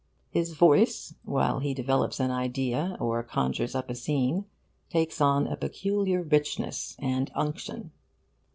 His voice, while he develops an idea or conjures up a scene, takes on a peculiar richness and unction.